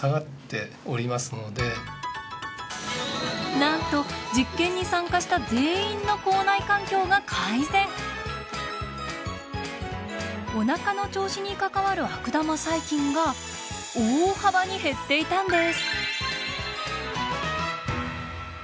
なんと実験に参加したお腹の調子に関わる悪玉細菌が大幅に減っていたんです。